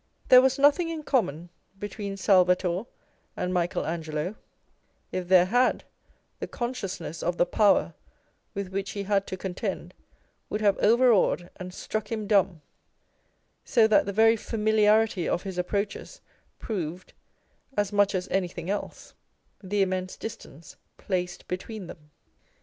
There was nothing in common between Salvator and Michael Angelo : if there had, the consciousness of the power with which he had to contend would have overawed and struck him dumb ; so that the very familiarity of his approaches proved (as much as anything else) the im mense distance placed between them.